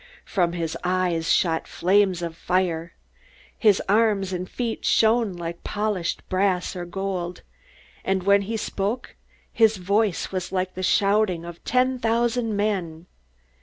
From his eyes shot flames of fire. His arms and feet shone like polished brass or gold, and when he spoke his voice was like the shouting of ten thousand men.